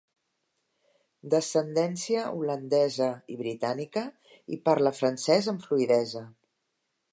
D'ascendència holandesa i britànica, i parla francès amb fluïdesa.